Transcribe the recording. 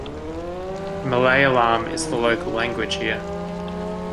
Malayalam is the Local Language here.